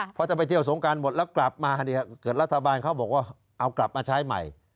เพราะถ้าไปเที่ยวสงการหมดแล้วกลับมาเนี่ยเกิดรัฐบาลเขาบอกว่าเอากลับมาใช้ใหม่